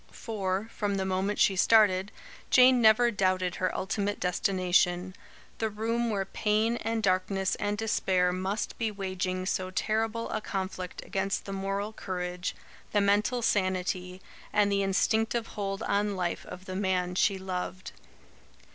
For, from the moment she started, Jane never doubted her ultimate destination, the room where pain and darkness and despair must be waging so terrible a conflict against the moral courage, the mental sanity, and the instinctive hold on life of the man she loved.